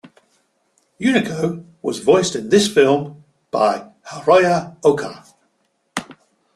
Unico was voiced in this film by Hiroya Oka.